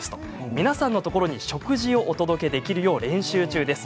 皆さんのところにお食事をお届けできるよう練習中です。